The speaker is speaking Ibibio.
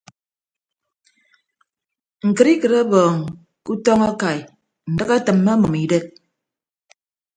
Ñkịtikịt ọbọọñ ke utọñ akai ndịk etịmme ọmʌm idek.